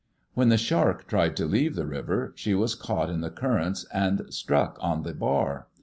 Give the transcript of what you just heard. When the Shark tried to leave the river, she was caught in the currents and struck on the bar.